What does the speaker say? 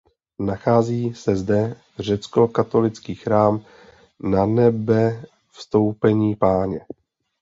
Nachází se zde řeckokatolický chrám Nanebevstoupení Páně.